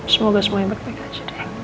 semoga semuanya baik baik aja